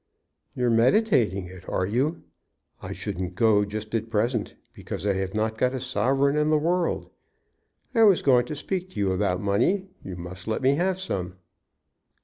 "You're meditating it, are you? I shouldn't go just at present, because I have not got a sovereign in the world. I was going to speak to you about money. You must let me have some."